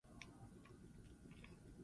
Arauen diseinua oso garrantzitsua da.